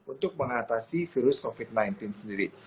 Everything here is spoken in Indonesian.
untuk mengatasi virus covid sembilan belas sendiri